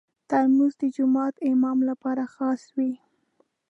ترموز د جومات امام لپاره خاص وي.